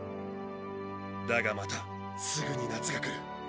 だがまたすぐに夏が来る。